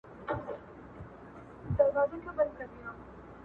د کندهار پوهنتون دروازه کې ښکته کړم